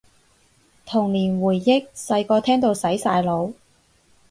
童年回憶，細個聽到洗晒腦